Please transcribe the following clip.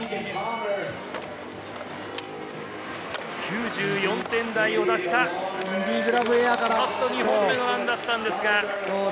９４点台を出した２本目のランだったんですが。